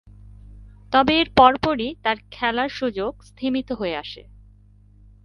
তবে, এর পরপরই তার খেলার সুযোগ স্তিমিত হয়ে আসে।